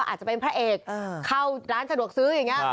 อาจจะเป็นพระเอกเข้าร้านสะดวกซื้ออย่างนี้